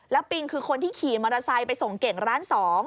ปิงคือคนที่ขี่มอเตอร์ไซค์ไปส่งเก่งร้าน๒